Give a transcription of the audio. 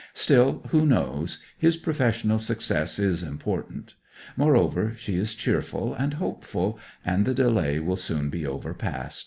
Still, who knows; his professional success is important. Moreover, she is cheerful, and hopeful, and the delay will soon be overpast.